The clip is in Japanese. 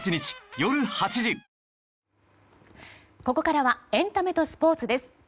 ここからはエンタメとスポーツです。